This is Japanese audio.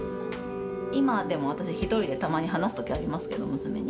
今でも、私、１人でたまに話すときありますけど、娘に。